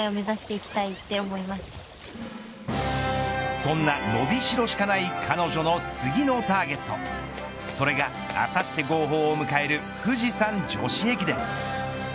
そんなのびしろしかない彼女の次のターゲットそれが、あさって号砲を迎える富士山女子駅伝。